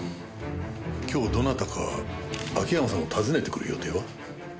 今日どなたか秋山さんを訪ねてくる予定は？